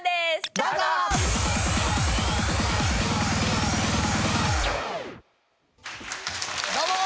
どうもー！